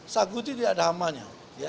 sagu itu tidak ada hamanya